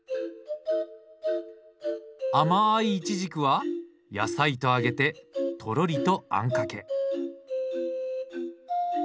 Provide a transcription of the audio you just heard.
甘いイチジクは野菜と揚げてとろりとあんかけ。